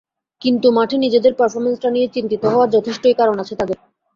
কিন্তু মাঠে নিজেদের পারফরম্যান্সটা নিয়ে চিন্তিত হওয়ার যথেষ্টই কারণ আছে তাদের।